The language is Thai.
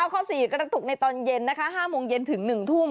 ข้อ๔กระตุกในตอนเย็นนะคะ๕โมงเย็นถึง๑ทุ่ม